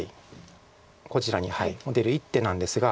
こちらに出る一手なんですが。